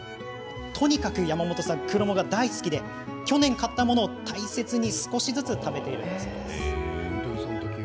とにかくクロモが大好きで去年買ったものを大切に少しずつ食べているんだそうです。